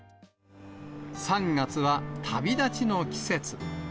３月は旅立ちの季節。